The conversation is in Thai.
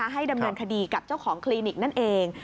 ให้ดำเนินคดีกับเจ้าของคลินิกนั่นเอง